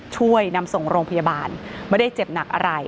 ช่วยนำส่งโรงพยาบาลไม่ได้เจ็บหนักอะไร